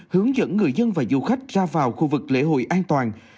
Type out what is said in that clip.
hướng dẫn người dân và du khách ra vào khu vực lễ hội an toàn